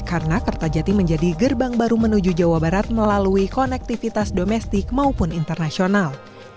karena kertajati menjadi gerbang baru menuju jawa barat melalui konektivitas domestik maupun internasional